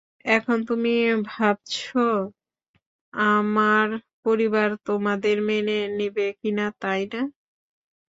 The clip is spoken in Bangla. এখন তুমি ভাবছো আমার পরিবার আমাদের মেনে নিবে কিনা, তাই না?